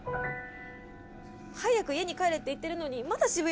早く家に帰れって言ってるのにまだ渋谷にいるみたいで。